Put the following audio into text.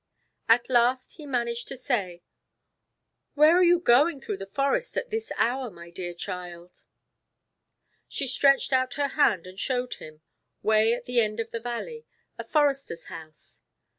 At last he managed to say: "Where are you going through the forest at this hour, my dear child?" She stretched out her hand and showed him, way at the end of the valley, a forester's house.